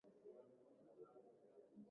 Uwapo karibu